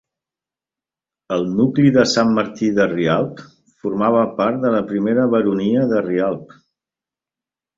El nucli de Sant Martí de Rialb formava part de la primera baronia de Rialb.